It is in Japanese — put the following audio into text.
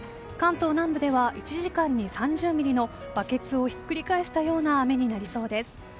関東南部では１時間に３０ミリのバケツをひっくり返したような雨になりそうです。